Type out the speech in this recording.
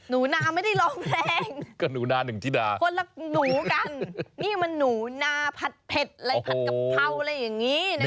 นูนาไม่ได้ร้องเพลงคนละหนูกันนี่มันหนูนาผัดเผ็ดผัดกะเพร่าอะไรอย่างนี้นะคะ